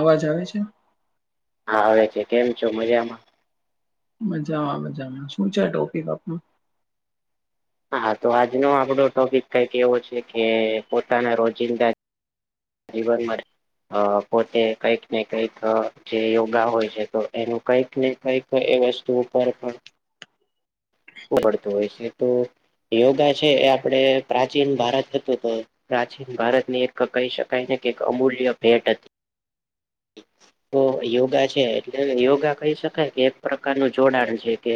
અવાજ આવે છે? હા, આવે કે કેમ છો મજામાં? મજામાં મજામાં શું છે ટોપિક આપણું? હા, તો આજનો આપડો ટોપિક કઈંક એવો છે કે પોતાના રોજિંદા જીવન માટે. અ પોતે કઈક ને કઈક જે યોગા હોય છે તો એનું કઈક ને કઈક તો એ વસ્તુ ઉપર પણ પડતું હોય છે તો યોગા છે એ આપણે પ્રાચીન ભારત હતું તો પ્રાચીન ભારતની એક કહી શકાય ને કે એક અમૂલ્ય ભેટ હતી. [inaudible] તો યોગા છે એટલે યોગા કહી શકાય કે એક પ્રકારનું જોડાણ છે કે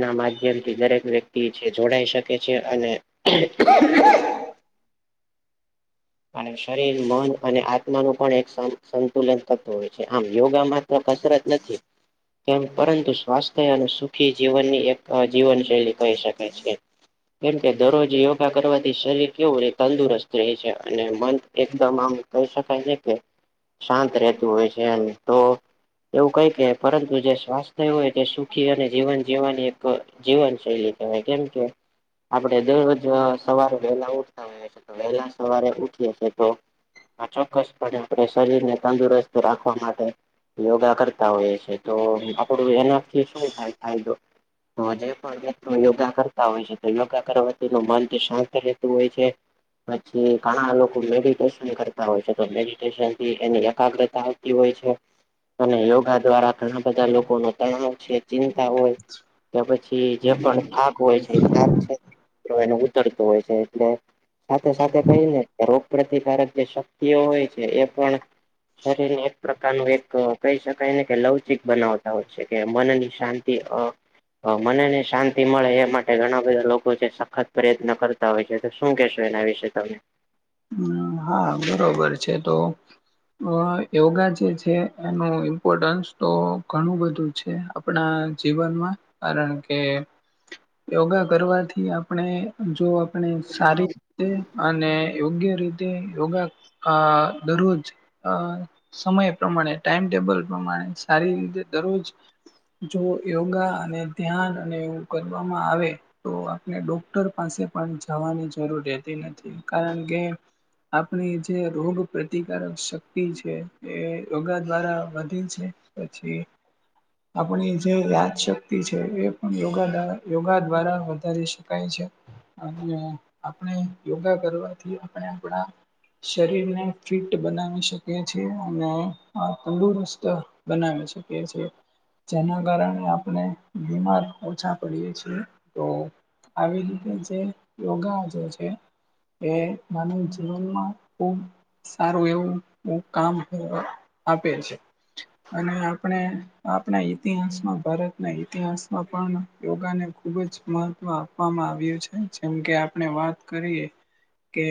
ના માધ્યમથી દરેક વ્યક્તિ જે જોડાઈ શકે છે અને [unintelligible] અને શરીર, મન અને આત્માનું પણ એક સંતુલન થતું હોય છે આમ યોગામાં કસરત નથી. કેમ પરંતુ સ્વાસ્થ્ય અને સુખી જીવનની એક અ જીવનશૈલી કહી શકાય છે. કેમ કે દરરોજ યોગા કરવાથી શરીર કેવું રે તંદુરસ્ત રહે છે. અને મંધ એકદમ આમ કહી શકાય છે કે શાંત રહેતું હોય છે તો એવું કઈ કે પરંતુ જે સ્થ થયું હોય તે સુખી અને જીવન જીવવાની એક જીવન શૈલી કવાય કેમકે આપડે દરરોજ સવારે વહેલા ઉઠતા હોઈએએ તો વહેલા સવારે ઉઠીએ છીએ તો ચોક્કસપણે આપણે શરીરને તંદુરસ્ત રાખવા માટે. યોગા કરતા હોઈએ છે તો આપડું એનાથી શું થાય ફાયદો. તો જે પણ વ્યક્ત યોગા કરતા હોય છે તો યોગા કરવાથીનું મન શાંત રહેતું હોય છે. જે ઘણા લોકો મેડિટેશન કરતા હોય છે તો મેડિટેશન થી એની એકાગ્રતા આવતી હોય છે. અને યોગા દ્વારા ઘણા બધા લોકોનો તણાવ છે. ચિંતા હોય કે પછી જે પણ થા હોય છે તો એને ઉતરતું હોય છે એટલે સાથે સાથે કહી ને રોગપ્રતિકારક જે શક્તિઓ હોય છે એ પણ શરીરને એક પ્રકારનું એક કહી શકાય ને કે લવચિક બનાવતા હોય છે કે મનની શાં તે અ. હ મનેને શાંતિ મળે એ માટે ઘણા બધા લોકો છે સખત પ્રયત્ન કરતા હોય છે તો શું કેહેશો એના વિશે? એ તો. હમ હા, બરોબર છે તો. અ યોગા જે છે એનું ઇમ્પોર્ટન્સ તો ઘણું બધું છે. આપણા જીવનમાં કારણ કે- યોગા કરવાથી આપણે જો આપણે સારીતે અને- યોગ્ય રીતે યોગા આ દરરોજ- અ સમય પ્રમાણે ટાઈમટેબલ પ્રમાણે સારી રીતે દરરોજ- જો યોગા અને ધ્યાન અને એવું કરવામાં આવે- તો આપણે ડોક્ટર પાસે પણ જવાની જરૂર રહેતી નથી કારણ કે- આપ. ણી જે રોગ પ્રતિકારક શક્તિ છે એ રોગા દ્વારા વધે છે પછી [inaudible] આપણી જે વયા શક્તિ છે. એ પણયોગા યોગા દ્વારા વધારી શકાય છે. અને આપણે યોગા કરવાથી આપણે આપણા- શરીરને ફિટ બનાવી શકે છેએ અને આ તંદુરસ્ત- બનાવી શકીએ છીએ- જેના કારણે આપણે બીમાર ઓછા પડીએ છીએ તો- આવી રીતે જે યોગા જે છે. એ નાન જીવનમાં ખબ- સારું એવું કામ આપે છે. અને આપણે આપણા ઇતિહાસમાં ભારતના ઇતિહાસમાં પણ યોગાને ખૂબ જ- મહત્વ આપવામાં આવ્યું છે. જેમકે આપણે વાત કરીએ- કે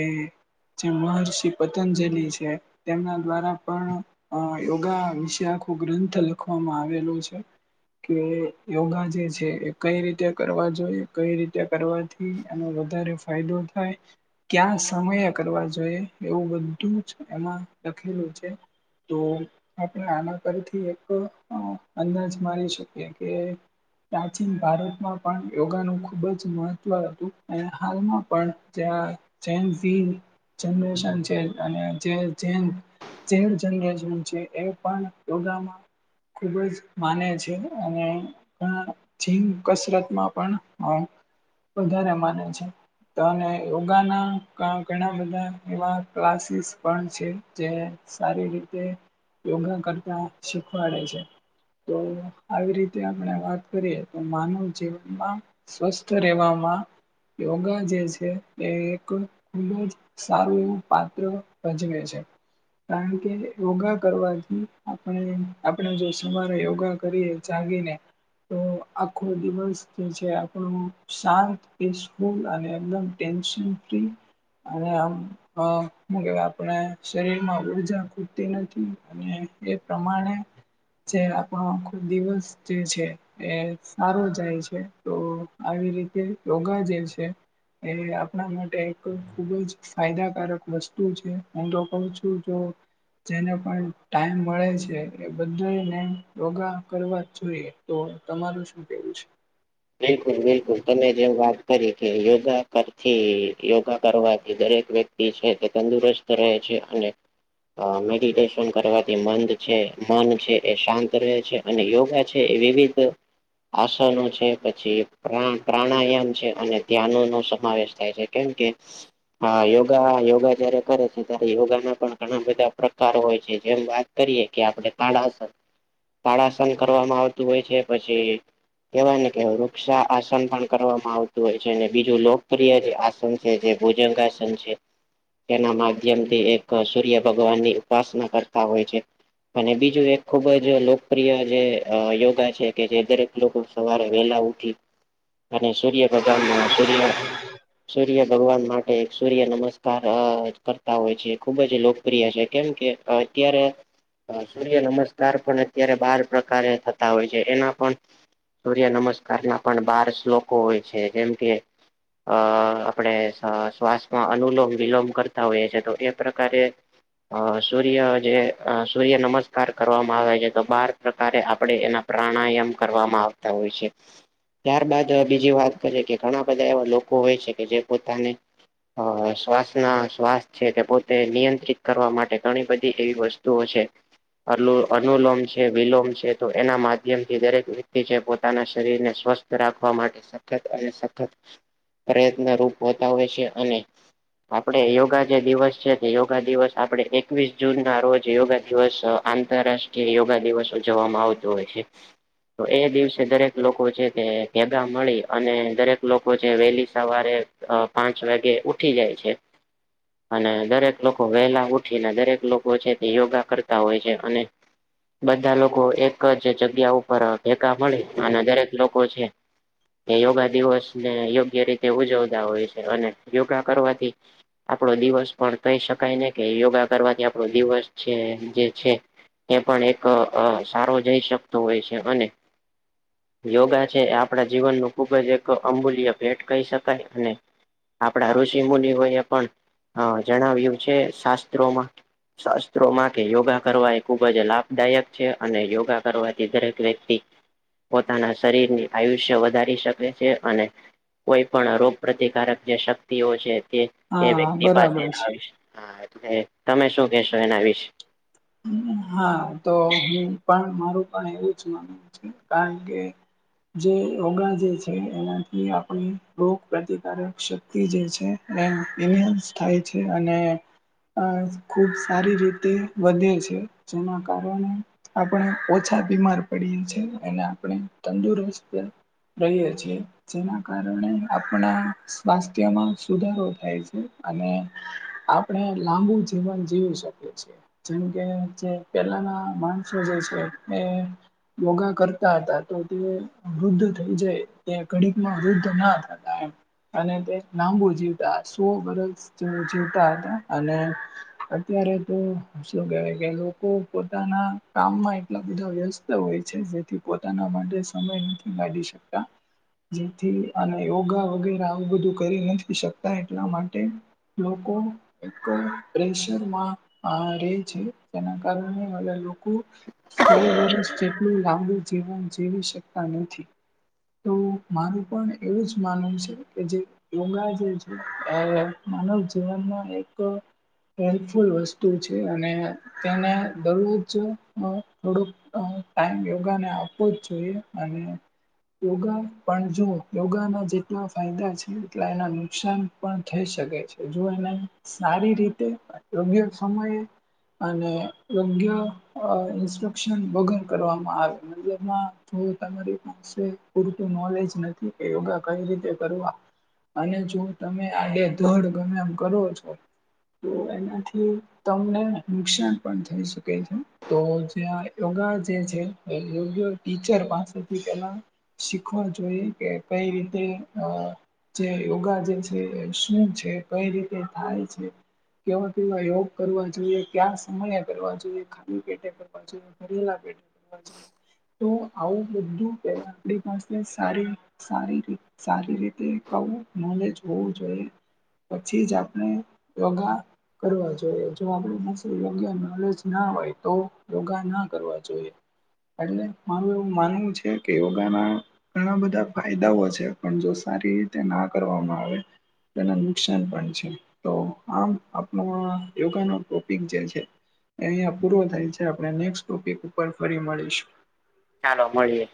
જે મહર્ષિ પતંજલ છે તેમના દ્વારા પણ- અ યોગા વિશે આખો ગ્રંથ લખવામાં આવેલો છે. કે યોગા જે છે એ કઈ રીતે કરવા જોઈ કઈ રીતે કરવાથી- એનો વધારે ફાયદો થાય- ક્યાં સમયે કરવા જોઈએ એવું બધું જ એમાં લખેલું છે. તો [unintelligible] આપણે આના પરથી એક અંદાજ માની શકીએ કે- પ્રાચીન ભારતમાં પણ યોગાનું ખૂબ જ મહત્ત્વ હતું અને હાલમાં પણ જ્યાં- જે જનરેશન છે અને જે- છે એ પણયોગામાં- ખુબ જ માને છે અને- પણ જીમ કસરત માં પણ- વધારે માને છે તો- યોગાના ઘણા બધા એવા ક્લાસીસ પણ છે. જે- સારી રીતે યોગા કરતા શીખવાડે છે. તો આવી રીતે આપણે વાત કરીએ તો માનવ જીવનમાં સ્વસ્થ રહેવામાં યોગા જે છે, એ એક ખૂબ જ સારું એવું પાત્ર ભજવે છે. કારણ કે યોગા કરવાથી આપણે આપણે જો સવારે યોગા કરીએ- ચાગીને- તો આખો દિવસ જે છે. આપણો શાંત પીસફુલ અને એકદમ- ટટેન્શન ફ્રી- અને આમ કે આપણે શરીરમાં ઉર્જા ખૂતી નથી અને- એ પ્રમાણે જે આપણો આખો દિવસ- જે છે એ સારો જાય છે તો આવી રીતે યોગા જે છે. એ આપણા માટે એક ખુબ જ ફાયદાકારક વસ્તુ છે હું તો કઉ છું જો જેને પણ ટાઈમ મળે છે. એ બધાને યોગા કરવા જોઈએ- તો તમારું શું કેવું છે. બિલકુલ બિલકુલ તમે જેવ વાત કરી કે યોગા કરથી યોગા કરવાથી દરેક વ્યક્તિ- છે તે તંદુરસ્ત રહે છે અને અ મેડિટેશન કરવાથી મંદ છે, મન છે એ શાંત રહે છે. અને યોગા છે, એ વિવિધ આસનો છે, પછી પ્રાણ પ્રાણાયામ છે, અને ધ્યાનો નો સમાવેશ થાય છે. કેમ કે, હા! યોગા યોગા જયારે કરે છે, ત્યારે યોગા ના પણ ઘણા બધા પ્રકાર હોય છે જેમ વાત કરીએે કે આપડે ભાડા ઉપર તાડાસન કરવામાં આવતું હોય છે પછી કેવાય ને વૃક્ષા આસન પણ કરવામાં આવતું હોય છે, અને બીજું લોકપ્રિય જે આસન કે જે ભુજનગાસન છે. તેના માધ્યમથી એક સૂર્ય ભગવાન ની ઉપાસના કરતા હોય છે અને બીજ બીજુ એક ખુબ જ લોકપ્રિય જે યોગા છે, કે જે દરેક લોકો સવારે વેલા ઉઠી અને સૂર્ય ભગાનના સૂર્ય સૂર્ય ભગવાન માટે સૂર્ય નમસ્કાર અ કરતા હોય છે, ખુબ જ લોક પ્રિય છે કેમ કે અત્યારે અ સૂર્ય નમસ્કાર પણ અત્યારે બાર પ્રકારે થતા હોય છે. એના પણ સૂર્ય નમસ્કાર ના પણ બાર શ્લોકો હોય છે, જેમ કે અ આપણે શ્વાસમાં અનુલોમ વિલોમ કરતા હોઈએ છે, એ તો એ પ્રકારે અ સૂર્ય જે અ સૂર્ય નમસ્કાર કરવામાં આવે છે, તો બાર પ્રકારે આપડે એના પ્રાણાયામ કરવામાં આવ તા હોય છે. ત્યારબાદ બીજી વાત કરીએ કે ઘણા બધા એવા લોકો હોય છે કે જે પોતાને અ શ્વાસના શ્વાસ છે કે પોતે નિયંત્રિત કરવા માટે ઘણી બધી એવી વસ તુ છે, અનુલોમ છે, વિલોમ છે, તો એના માધ્યમથી દરેક કે જે પોતાના શરીરને સ્વસ્થ રાખવા માટે સતત અને સખત પ્રયત્ન રૂપ હોતા હોય છે અને આપડે યોગા જે દિવસ છે, તે યોગા દિવસ આપડે એકવીસ જૂન ના રોજ યોગા દિવસ આંતરરાષ્ટ્રીય યોગા દિવસ ઉજવવામાં આવતો હોય છે. તો એ દિવસે દરેક લોકો છે તે ભેગા મળી અને દરેક લોકો છે વહેલી સવારે અ પાંચ વાગે ઉઠી જાય છે. અને દરેક લોકો વહેલા ઉઠીને દરેક લોકો છે તે યોગા કરતા હોય છે અને બધા લોકો એક જ જગ્યા ઉપર ભેગા મળી અને દરેક લોકો છે એ યોગા દિવસ ને યોગ્ય રીતે ઉજવતા હોય છે અને યોગા કરવાથી આપણો દિવસ પણ કહી શકાય ને કે યોગા કરવાથી આપણો દિવસ છે જે છે. એ પણ એક અ સારો જઈ શકતો હોય છે અને યોગા છે એ આપણા જીવનનું ખૂબ જ એક અમૂલ્ય ભેટ કહી શકાય અને આપણા ઋષિ મુનિઓએ પણ અ જણાવ્યું છે શાસ્ત્રોમાં શાસ્ત્રોમાં કે યોગા કરવા એ ખુબ જ લાભદાયક છે અને યોગા કરવાથી દરેક વ્યક્તિ પોતાના શરીર ની આયુષ્ય વધારી શકે છે, અને કોઈ પણ રોગ પ્રતિકારક જે શક્તિઓ છે, તે એ હા વ્યક્તિ પાસે બરાબર છે હા એટલે તમે શું કેહેશો એના વિશે? હા! તો હું પણ મારું પણ એવું જ માનવું છે. કારણ કે, જે યોગા જે છે એનાથી આપણી રોગ પ્રતિકારક શક્તિ જે છે થાય છે અને અ ખૂબ સારી રીતે વધે છે જેના કારણે આપણે ઓછા બીમાર પડીએ છીએ અને આપણે તંદુરસ્ત રહીએ છીએ. જેના કારણે આપણા સ્વાસ્થ્યમાં સુધારો થાય છે. અને આપણે લાંબુ જીવન જીવી શકીએ છીએ. જેમ કે જે પેલાના માણસો જે છે એ યોગા કરતા હતા તો તે વૃદ્ધ થઈ જાય તે ઘડીકમાં વૃદ્ધ ના થતા એમ. અને તે લાંબુ જીવતા, સો વર્ષ જેવું જીવતા હતા અને અત્યારે તો શું કેવાય કે લોકો પોતાના કામમાં એટલા બધા વ્યસ્ત હોય છે. પોતાના માટે સમય નથી કઢી શકતા જેથી અને યોગા વગેરે આવું બધું કરી નથી શકતા એટલા માટે લોકો એક પ્રેશરમાં છે જેના કારણે લોકો સો વર્ષ જેટલું લાંબુ જીવન જીવી શકતા નથી તો મારું પણ એવું જ માનવું છે કે જે યોગા જે છે એ માનવ જીવનમાં એક હેલ્પફુલ વસ્તુ છે, અને તેને દરરોજ થોડુંક ટાઈમ યોગા ને આપવો જ જોઈએ અને યોગા પણ જુ યોગાના જેટલા ફાયદા છે એટલા એના નુકસાન પણ થઈ શકે છે જો એને સારી રીતે યોગ્ય સમયે અને યોગ્ય ઇન્સ્ટક્શન વગર કરવામાં આવે મંદિરમાં તમારી પાસે પૂરતું નોલેજ નથી કે યોગા કઈ રીતે કરવા અને જો તમે આડે દડ ગમે કરો છો તો એનાથી. તમને નુકસાન પણ થઈ શકે છે. તો જે યોગા જે છેયોગ ટીચર પાસેથી પેલા શીખવા જોઈએ કે કઈ રીતે જે યોગા જે છે શું છે કઈ રીતે થાય છે કેવા કેવા યોગ કરવા જોઈએ ક્યા સમય કરવા જોઈએ ખ પેટે તો આવું બધું આપણી પાસે સારી સારી ર સારી રીતે કવું નોલેજ હોવું જોઈએ પછી જ આપણે યોગા કરવા જોએ આપ પાસે યોગ નલેજ ના હોય તો યોગા ના કરવા જોઈએ એટલે મારું એવું માનવું છે કે એવું ગાના ઘણા બધા ફાયદાઓ છે, પણ જો સારી રીતે ના કરવામાં આવે તેના નુકસાન પણ છે, તો આમ આપણ યોગા ન ટોપિક જે છે. અહં પૂરો થાય છે આપણે નેક્ ટોપિક ઉપર ફરી મળીશું ચાલો મળીએ